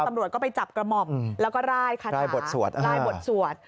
ตำรวจก็ไปจับกระหม่อมแล้วก็ร่ายบทสวด